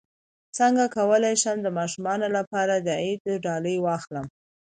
څنګه کولی شم د ماشومانو لپاره د عید ډالۍ واخلم